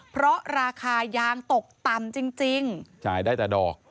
เพราะราคายางตกต่ำจริงจ่ายได้แต่ดอก